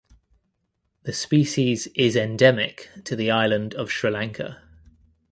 The species is endemic to the island of Sri Lanka.